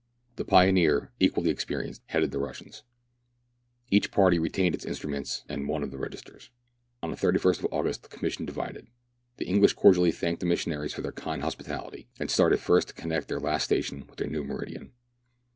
The pioneer, equally experienced, headed the Russians, Each party retained its instru ments and one of the registers. On the 31st of August the Commission divided. The English cordially thanked the missionaries for their kind hospitality, and started first to connect their last station with their new meridian.